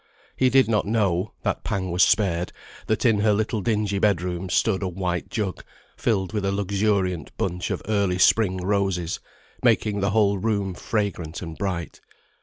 He did not know that pang was spared that in her little dingy bed room, stood a white jug, filled with a luxuriant bunch of early spring roses, making the whole room fragrant and bright.